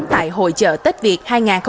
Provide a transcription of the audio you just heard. tại hội chợ tết việt hai nghìn hai mươi bốn